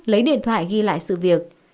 lấy điện thoại ghi lại sự việc